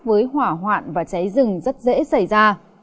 với hỏa hoạn và cháy rừng rất dễ xảy ra